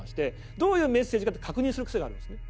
どういうメッセージかって確認する癖があるんですね。